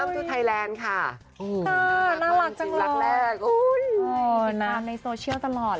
มีความในโซเชียลตลอด